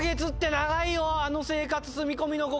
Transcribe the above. あの生活。